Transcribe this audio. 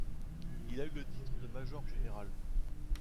Il a eu le titre de major général.